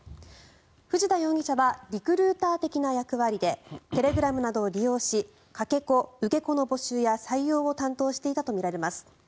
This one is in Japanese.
藤田容疑者はリクルーター的な役割でテレグラムなどを利用しかけ子、受け子の募集や採用を担当していたとみられます。